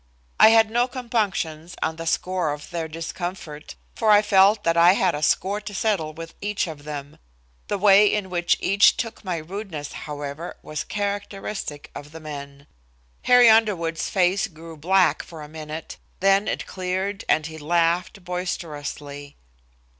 I had no compunctions on the score of their discomfort, for I felt that I had a score to settle with each of them. The way in which each took my rudeness, however, was characteristic of the men. Harry Underwood's face grew black for a minute, then it cleared and he laughed boisterously.